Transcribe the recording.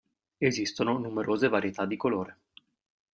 Esistono numerose varietà di colore.